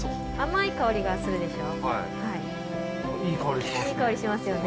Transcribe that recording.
いい香りしますよね。